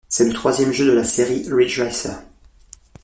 C'est le troisième jeu de la série Ridge Racer.